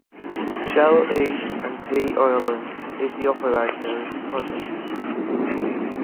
Shell E and P Ireland is the operator of the project.